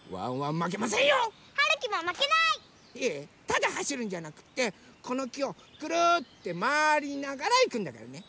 ただはしるんじゃなくってこのきをくるってまわりながらいくんだからね。